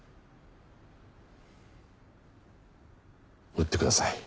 打ってください。